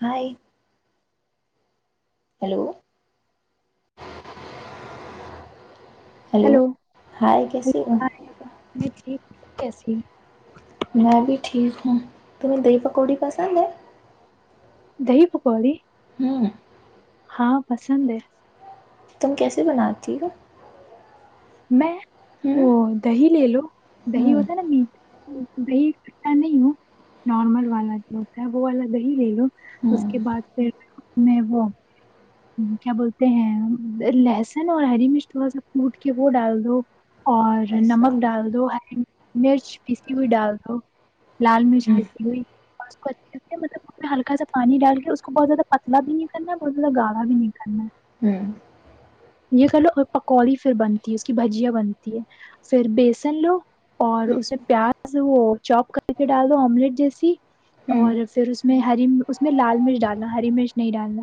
ہائے hello hello hi کیسی ہو کیسے میں بھی ٹھیک ہوں تمہیں دہی پکوڑی پسند ہے دہی پکوڑی ہوں ہاں پسند ہے تم کیسے بناتی ہو میں ا ہوں دہی لے لو دہی ہوں ہوتا نا میٹ دی کھا نہیں ہو نارمل والا جو ہوتا ہے وہ والا دہی لے لو اس ہوں کے بعد پھر میں وہ کیا بولتے ہیں لہسن اور ہری مرچ تھوڑا سا گٹ کہ وہ ڈال دو اور ایسا نمک ڈال دو ہری مرچ پیسی ہوئی ڈال دو لال مرچ ہوں کیسسی ہوئی اس کو اچھے مطلب ہلکا س پانی ڈال کے اس کو بہت زیادہ پتلا بھی نہیں کرنا بہت زیادہ گاڑا بھی نہیں کرنا ہے ہوں یہ کہ لو پکوڑی پھر بنتی ہے اس کی بھجیا بنتی ہے پھر بیسن لو اور ہوں اس میں پیاز وہ چوپ کر کے ڈال دو آملیٹ جیسی ہوں اور پھر اس میں اس میں ہری اس میں لال مرچ ڈالنا ہری مرچ نہیں ڈالنا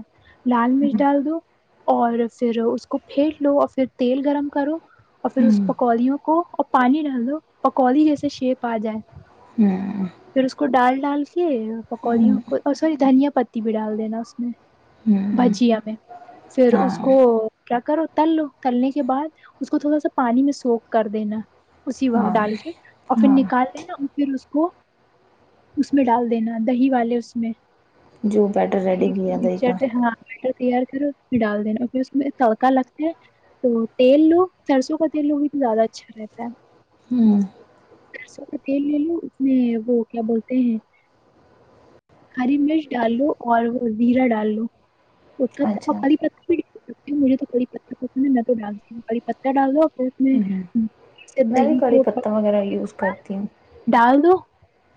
لال مرچ ڈال دو اور پھر اس کو پھینٹ لو اور پھر تیل گرم کرو اور پھر اس ہوں پکودیوں کو اور پانی ڈال دو پکودی جیسے شیپ آ جائے ہوں پھر اس کو ڈال ڈال کے ہوں پکوڑیوں کو اور سوری دھنیا پتی بھی ڈال دینا اس میں بھجیا میں پھر اس ہاں کو کیا کرو تلو تلنے کے بعد اس کو تھوڑا سا پانی میں سوخ کر دینا اسی وقت ہاں ڈال کے اور پھر ہاں نکال ل نا پھر اس کو اس میں ڈال دینا دہی والے اس میں جوو بیٹر ریڈی دہی بھییادے کا مکسچر ہاں بیٹر تیار کر اس پ میں ڈال دینا پھر اس میں تڑکا لگتا ہے تو تیل لو سرسوں کا تیل لو بھی تو زیادہ اچھا رہتا ہے ہوں سرسوں کا تیل لے لو اس میں وہ کیا بولتے ہیں ہری مرچ ڈال لو اور وہ زیرا ڈال لو ات ت کا اچھا پ پت مھے تو کوڑ پ ڈال دی پتتا ڈال دو [unintelligible] ہوں اس میں بھی دہی کے کڑی اوپ پتہ وغیرہ یوز کرتی ہوں ڈال دو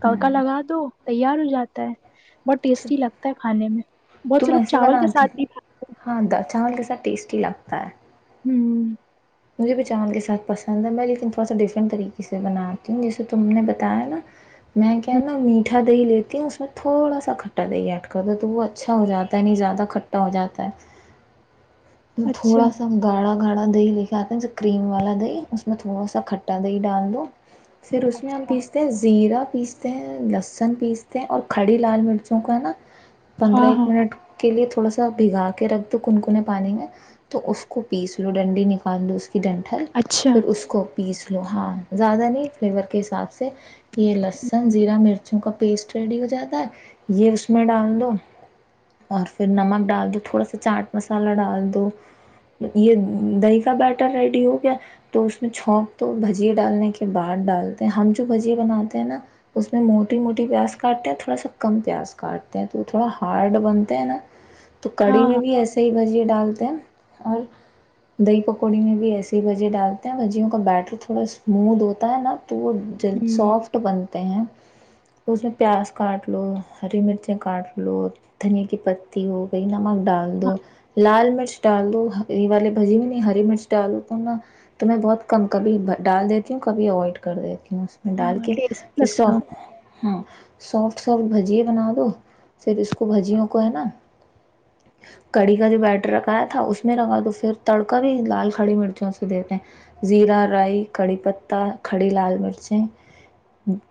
تڑکا ہوں لگا دو تیار ہو جاتا ہے بہت اچھا ٹیسٹی لگتا ہے کھانے میں بہت سے تم لوگ ایسے چاول کے بناتی ساتھ بھی کھات ہیں ہاں دا چاول کیسا ٹیسٹی لگتا ہے ہیں ہوں مجھے بھی چاول کے ساتھ پسند ہے میں لیکن تھوڑا سا ڈفرنٹ طریقے سے بناتی ہوں جسے تم نے بتایا نا میں کہ ہوں، نا میٹھا دہی ل اس میں تھوڑا سا کھٹا دےے ایڈ کر دو تو وہ اچھا ہو جاتا ہے نہیں زیادہ کھٹا ہو جاتا ہے [unintelligible] تھوڑا اچھا سا گاڑا [unintelligible] گاڑا دہی لے کے آتا ہیں کریم والا دہی اس میں تھوڑا سا کھٹا دہی ڈال دو [unintelligible] پھر [unintelligible] س میں ہم اچھا پیستے ہیں زیرہ پیستے ہیں لہسن پیستے ہیں اور کھڑی لال مرچوں کا ہے نا [unintelligible] پندرہ ہاں ایک ہاں منٹ کے لیے تو [unintelligible] تھوڑا بگا کے رکھ دو کن کون [unintelligible] پانی میں تو اس کو پیس لو ڈنڈی نکال دو اس کے [unintelligible] ایکسیڈینٹ ہے اچھا پھر اس کو [unintelligible] پیس لو ہاں زیادہ نہیں فلیور کے حساب سے یہ لہسن زیرا مرچوں کا پیسٹ ریڈی ہو جاتا ہے یہ اس میں ڈال دو اور پھر نمک ڈال دو تھوڑا سا چاٹ مس [unintelligible] مسالہ ڈال دو یہ دہی کا بیٹر ریڈی ہو گیا تو اس میں چونک دو بھجیے ڈالنے کے بعد ڈالتے ہیں ہم جو بجیے بناتے ہیں نا اس میں موٹی موٹی پیاز کاٹتے ہیں تھوڑا سا کم پیاز کاٹتے ہیں تو تھوڑا ہارڈ بنتے ہیں نا [unintelligible] تو کڑی ہاں میں ہاں بھی ایسے [unintelligible] بھجی ڈالتے ہیں اور دہ پکوڑی میں بھی ایسی بھجے ڈالتے ہیں بھجیوں کا بیٹر تھوڑا اسموت ہوتا ہے نا [unintelligible] تو وہ ج ہوں سافٹ بن [unintelligible] ہیں اس میں پیاز کاٹ لو ہری مرچیں کاٹ لو دھنیا کی پتی ہو گئی نمک ڈال دو [unintelligible] لال مرچ ڈال دووں یہ والے بھجی میں نہیں ہری مرچ ڈالو تو نا تو میں بہت کم کبھی ڈال دیتی ہوں کبھی اوائڈ کر دیتی ہوں [unintelligible] اس میں ڈال ہاں کے ٹیسٹی پھر سو لگتا ہے، ہاں سوفٹ [unintelligible] سافٹ بھجیے بنا دو صر اس کو بھجیوں کو ہے نا [unintelligible] کڑی کا جو بیٹر رکھایا تھا اس میں رکھا تو پھر تڑکا بھی لال کھڑی مرچوں سے دیتے ہیں زیرہ رائی کڑی پتا کھڑی لال مرچیں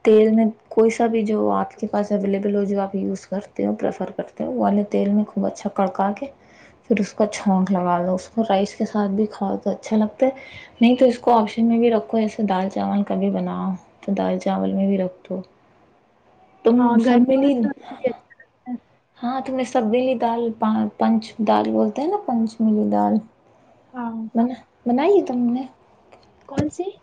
تیل میں کوئی سا بھی جو آپ کے پاس اویلیبل ہو جو آپ یوز کرتے ہو پریفر کرتے ہو والے تیل میں خوب اچھا کڑکا کے پھر اس کا چھونک لگا دو اس کو رائس کے ساتھ بھی کھاؤ تو اچھا لگتا ہے نہیں تو اس کو آپشن میں بھی رکھو جیسے دال چاول کبھی بناؤ تو دال چاول میں بھی رکھ دو تم ہاں سب گرمیوں میں ملی تو اور بھی اچھا لگتا ہے ہاں تمہ نے سبی لی دال پان پنچ دال بول ت ہے نا پنچمیلی دال ہاں م نے [inaudible] بنائی ہے تم نے [unintelligible] کون سی [unintelligible]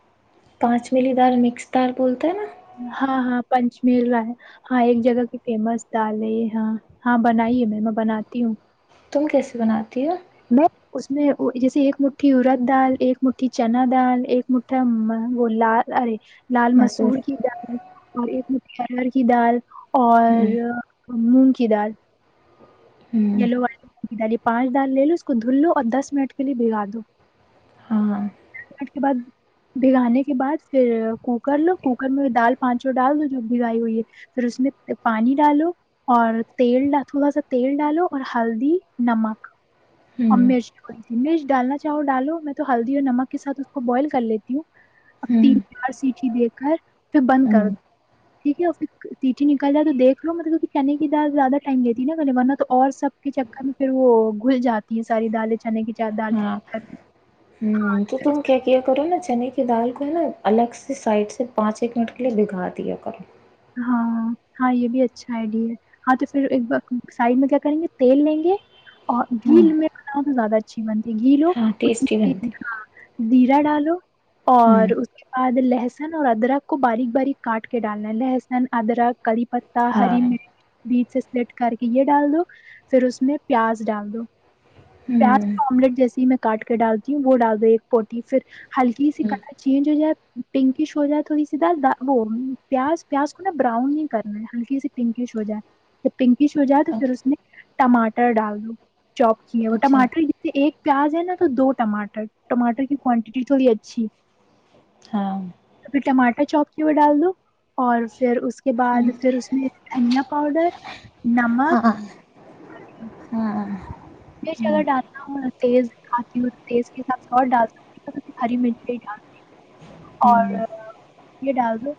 پانچ ملی دار مکس دار بولتا ہے نا [unintelligible] ہاں ہاں پنچمیل ہے ہاں ایک جگہ کی فیمس دال ہے یہ ہاں ہاں بنائیے میں میں بناتی ہوں [unintelligible] تم کیسے بناتی ہو میں اس میں جیسے ایک مٹھی ارد دال ایک مٹھی چنا دال ایک مٹھا وہ لال ارے لال مسور کی لال م اور ایک مرور کی دال اور ہوں مون کیی دال [unintelligible] ہوں یہلو [unintelligible] ڈال پچ ڈال لے لو اس کو دھل لو اور دس منٹ کے لیے بگا دو ہاں اسٹ کے بعد [unintelligible] بھگانے کے بعد پھر کوکر لو کوکر میں دال پانچوں ڈال دو جب بگائی ہوئی ہے پھر اس میں پانی ڈالو اور تیل ڈال تھوڑا سا تیل ڈالو اور ہلدی نمک ا ہوں م ڈ مش ڈالنا [unintelligible] چاؤول ڈالو میں تو ہلدی اور نمک کےاتھ اس کو بوائل کر لیتی ہوں اب تین ہوں چار سیٹیھی دے کر پھر بند کر ہوں دو ٹھیک ہے پھر [unintelligible] تیٹھی نکل جائے تو دیکھ لو مطلب کہ چنے کی دال زیادہ ٹائم گتی ہے نا کہنے ورنا تو اور سب کے چکر میں پھر وہ گھل جاتا ساری دالیں چاننے کی ہاں میں ہ تو ہاں تم کیا کیا کرو نا ج نہیں [unintelligible] دال کو ہے نا الگ سے سائڈ سے پانچ ایک منٹ کے لیے بگا دیا کر ہاں ہاں یہ بھی اچھا آئیڈیا ہے ہاں تو پھر ایک سائڈ میں کیا کریں گے تیل لیں گے اور ہاں جل میں [unintelligible] زدہ اچھی بنتی گی لو ہاں ا ٹیسٹی بنتی [unintelligible] زیرا ڈالو اور ہوں اس کے بعد ل لہسن اور ادرک کو باریک باریک کاٹ کے ڈالنا ہے لہس این ادرک کری پتتا ہاں ہری مرچ بیچ لٹ کر کے یہ ڈال دو پھر اس میں پیاز ڈال دو پیاز ہوں آملیٹ جیسے ہی میں کاٹ کے ڈالتی ہوں وہ ڈال دی ایک پوٹی پھر ہلکی سی ہوں کلر چینج ہو جائے پنکش ہو جائے تھوڑی سی دال وہ پیاز پیاز کو نا براؤن نہیں کرنا ہے ہلکی سی پنکش ہو جائے ج پنکش ہو جائے تو پھر اس اچھا میں ٹماٹر ڈال دو چاپ کی ہے وہ اچھا ٹماٹر ج سے ایک پیاز ہے نا تو دو ٹماٹر ٹماٹر کی کوانٹیٹی تھوڑی اچھی ہاں تو پھر ٹماٹر چوپ کی ہو ڈال دو اور پھر اس کے بعد ہوں پھر اس میں دھنیا پاؤڈر ہاں نمک ہ ہاں ہاں مرچ اگر ڈالتا ہوں میں تیز کھ ہوں تیز کے حساب سے اور ڈال ہری مرچ ڈالتی ہوں ہوں اور یہ ڈال دو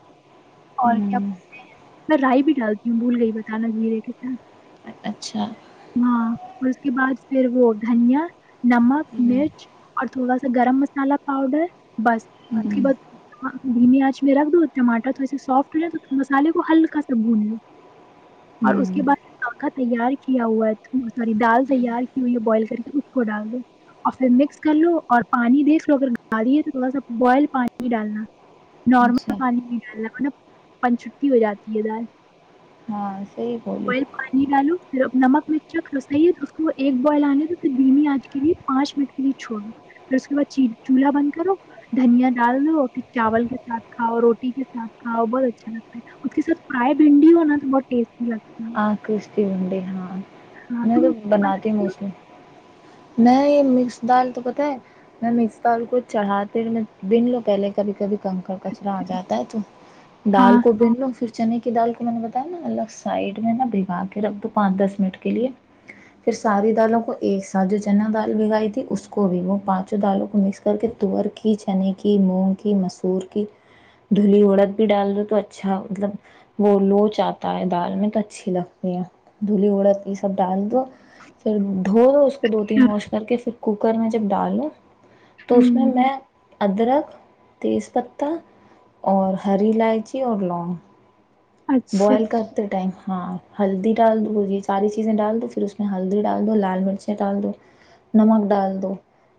اور کیا ہوں بول ہیں میں رائی بھی ڈالتی ہوں بھول گئی بتانا زیرے کے سھ اچھا ہاں اس کے بعد پھر وہ دھنیا نمک ہوں مرچ اور تھوڑا سا گرم مسالہ پاؤڈر بس اس کے ہوں بعد گمی آنچ میں رکھ دوٹماٹر تھوڑے س سافٹ ہو جائےے مسالے کو ہلکا سا بھون ل اور اس ہوں کے بعدکا تیار کیا ہوا ہے سوری دال تیار ہوں کی ہوئی ہے بوائل کر کے اس کو ڈال دو اور پھر مکس کر لو اور پانی دیکھ لو اگر گا دییے تو تھوڑا سا بوائل پانی ڈالنا نارمل اچھا پانی کی گ رکھ نا پن چھٹی ہو جاتی ہے دال ہاں صحی بولی بوائل نمک مچ صحی ہے اس کو ایک بوائل آنے دو پھر بینی آج کے لیے پانچ منٹ کے لیے چھوڑو پھر اس کے بعد چولہا بند کرو دھنیا ڈال دو پھر چاول کے ساتھاؤ روٹی کے ساتھ کھؤ بہت اچھا لگتا ہے اس کے سھ فرائی بھنڈی ہو نا تو بہت ٹیسٹی لگتا ہے آاں کرشتی بنڈی ہے ہاں میں تو تم بناتی ہوں بنا موسلی میں یہ مکس دال تو پتاہ ہے میں مکس دال کو چڑھاتے رہ میں بن لو پہلے کبھی کبھی کنکڑ کچرا آ جاتا ہے تو ڈال ہاں کو بن لو پھر چنے کی دال کو میں نے بتایا نا الگ سائڈ بگا کے رکھ دو پانچ دس منٹ کے لیے پھر ساری دالوں کو ایک ساتھ جو چنا دال بھگائی تھی اس کو بھی وہ پانچوں دالوں کو مکس کر کے تور کی چنے کی مونگ کی مسور کی دھلی ارد بھی ڈال دو تو اچھا مطلب وہ لوچ آتا ہے دال میں تو ا اچھی لگتی ہیں دھلی اورد یہ سب ڈال دو پھر دھو دوو اس کو دو تین اچھا واش کر کے پھر کوک کوکر میں جب ڈالو تو اس میں ہوں میں ادرک تیز پتہ اور ہری الائچی اور لونگ اچھا بوائل کرتے ٹائم ہاں ہلدی ڈال دو یہ ساری چیزیں ڈال دو پھر اس میں ہلدی ڈال دو لال مرچیں ڈال دو نمک ڈال دو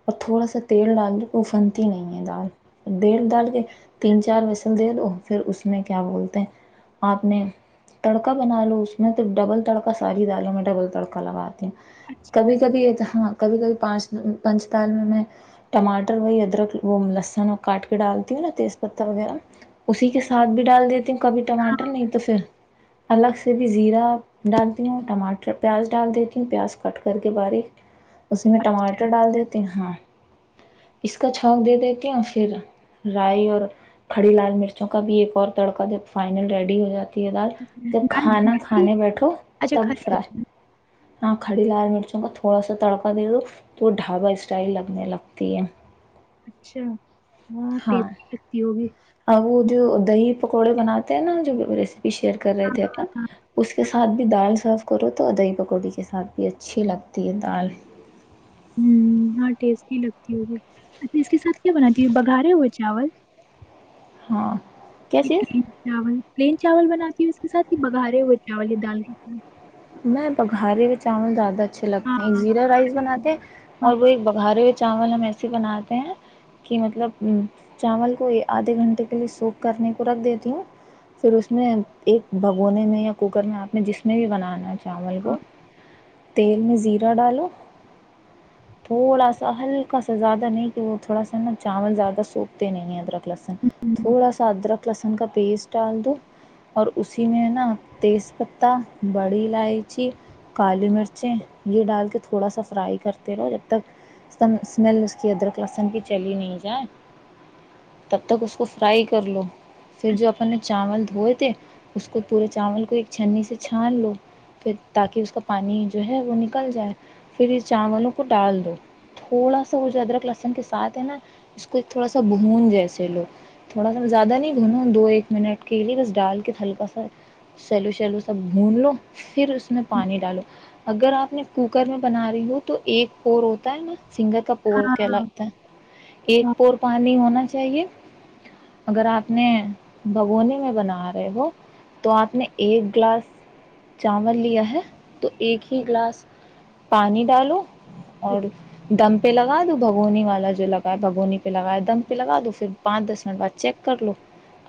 اور تھوڑا سا تیل ڈال دو وہ پھنتی نہیں ہے دال دیل ڈال کے تین چار وسن دے دو پھر اس میں کیا بولتے ہیں آپ نے تڑکا بنا لو اس میں تو ڈبل تڑکا ساری دالوں میں ڈبل تڑکا لگاتی ہوں کبھی کبھی یہ تھااں کبھی کبھی پانچ پانچ تال میں میں ٹاٹر وہی ادرک وہ لسن کاٹ کے ڈالتی ہوں نا تیز پتہ وغیرہ اسی کے سھ بھی ڈال دیتی ہوں کبھی ٹماٹر نہیں تو پھر الگ سے بھی زیرا ڈالتی ہوں ٹماٹر پیاز ڈال دیتی ہوں پیاز کٹ کر کے باریک اس میں ٹاٹر ڈال دی ہاں اس کا چوک دے دیتی ہ اور پھر رائی اور کھڑی لال مرچوں کا بھی ایک اور تڑکا جب فائنل ریڈی ڈی ہزار دال جب لال کھانا مرچ بھی کھانے بیٹھو اچھا تب کھاری فرا لال مرچ، ہاں کھڑی لال مرچوں کا تھوڑا سا تڑکا دے دو تو وہ ڈھابا اسٹائل لگنے لگتی ہے اچھا ہاں لتی ہوگی اب وہ جو دہی پکوڑے بناتے ہیں نا جو شیئر کر رہے تھے اپن ہاں اس کے ساتھ بھی دال سرو کرو تو دہی پکوڑے کے ساتھ بھی اچھی لگتی ہے دال ہ ہ ٹیسٹی لگتی ہوی اچھا اس کے ساتھ کیا بناتی ہ بگھارے ہوئے چاول ہاں کیا چ چیز پ [unintelligible] چاول بنااتی اس کے ساتھ یہ بگا رہے ہوئے چاول دال کے ساتھ میں بخاری ب آوں زیادہ اچھے ہاں لگتے ہیں ایک زیرا رائس بناتے ہیں ہاں اور وہ ایک بگھارے ہو چاول ہم ایسے بناتے ہیں کہ مطلب چاول کو آدھے گھنٹے کے لیے سوپ کرنے کو رکھ دیتی ہوں پھر اس میں ایک بھگونے میں یا کوکر میں آپ نے جس میں بھی بنانا شاامول ہاں کو [unintelligible] تیل میں زیرا ڈالو تھوڑا سا ہلکا سا زیادہ نہیں کہ وہ تھوڑا سا نا چاول زیادہ سوکھتے نہیں ادرک لہسن ہوں تھوڑا سا ادرک لہسن کا پیسٹ ڈال دو اور اسی میں نا تیز پتتا بڑی الائچی کالی مرچیں یہ ڈال کے تھوڑا سا فرائی کرتے رہو جب تک اسمیل اس کی ادرک لسن کی چلی نہیں جائے تب تک اس کو فرائی کر لو پھر جو اپپ نے چاول دھوئے تھے اس کو پورے چاول کو ایک چھننی سے چھان لو پھر تاکہ اس کا پانی جو ہے وہ نکل جائے پھر چاولوں کو ڈال دو تھوڑا سا وہ جو ادرک لہسن کے ساتھ ہے نا اس کو تھوڑا سا بھون جیسے لو تھوڑا سا زیادہ نہیں بھونو دو ایک منٹ کے لیے بس ڈال کے ہلکا سا سیلو سیلو سا بھون لو پھر اس میں اچھا، پانی ڈالو اگر آپ نے [unintelligible] کوکر میں بنا رہی ہوں تو ایک اورور ہوتا ہے نا سنگر کا پور ہاں ہاں کہلاتا ہے ہاں ایک پور پانی ہونا چاہیے اگر آپ نے بھگونے میں بنا رہے ہو تو آپ نے ایک گلاس [unintelligible] چاول لیا ہے تو ایک ہی گلاس پانی ڈالو اور دم پہ لگا دو بھگونی والا جو لگا ہے بھگونی پہ لگاائے دم پہ لگا دو پھر پانچ دس منٹ بعد چیک کر لو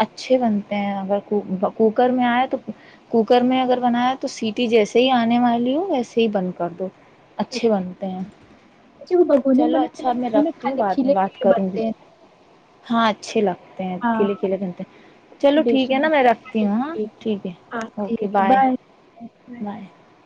اچھے بنتے ہیں اگر کوکر میں آئے تو کوکر میں اگر بنایا تو سیٹی جیسے ہی آنے والی ہ ویسے ہی بند کر دو اچھا اچھے بنتے ہیں اچھا، وہ بگونے میں چلو بنا اچھا میں بگونے رکھتی ہوں کھانے بعد میں کھیلے بات کھیلے کروں گی بنتے ہیں [unintelligible] ہاں اچھی لگتا ہے ہاں کلے کلے کرنتے ہیں اچھا چلو ڈش ٹھیک ہے نا میں رکھتی ہوں ہاں ٹھیک ہے ہاں اوکے ٹھیک ہے بائے بائے [unintelligible] بائے [unintelligible]